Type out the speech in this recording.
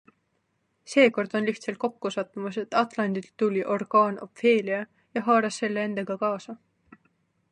Seekord on lihtsalt kokkusattumus, et Atlandilt tuli orkaan Ophelia ja haaras selle endaga kaasa.